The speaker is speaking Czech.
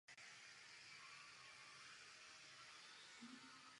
Zde prožil pak celý zbytek života.